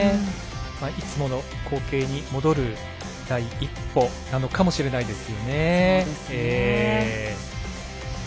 いつもの光景に戻る第一歩なのかもしれないですね。